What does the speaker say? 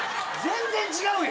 全然違うよ。